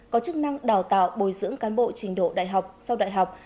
có chức năng đào tạo bồi dưỡng cán bộ trình độ đại học sau đại học